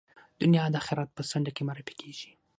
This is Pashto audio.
دنیا د آخرت په څنډه کې معرفي کېږي.